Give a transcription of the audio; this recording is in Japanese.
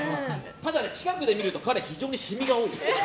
ただ近くで見ると彼、非常にシミが多いです。